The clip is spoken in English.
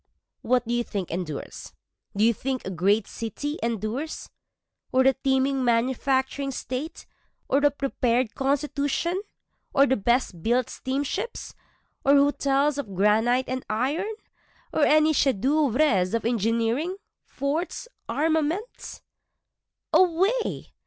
What do you think endures? Do you think a great city endures? Or a teeming manufacturing state? or a prepared constitution? or the best built steamships? Or hotels of granite and iron? or any chef d'oeuvres of engineering, forts, armaments?